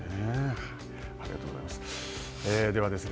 ありがとうございます。